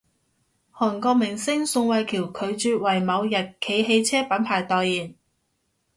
韓國明星宋慧喬拒絕爲某日企汽車品牌代言